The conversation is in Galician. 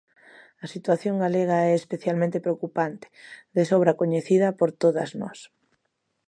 A situación galega é especialmente preocupante, de sobra coñecida por todas nós.